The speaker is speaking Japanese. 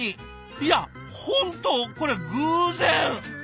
いや本当これ偶然。